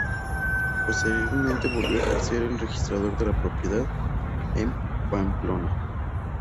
Posteriormente volvió a ejercer de registrador de la propiedad, en Pamplona.